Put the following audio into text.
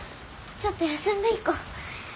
ちょっと休んでいこう。